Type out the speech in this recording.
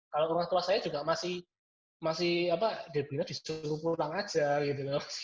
kalau orang tua saya juga masih masih apa debrina disuruh pulang aja gitu loh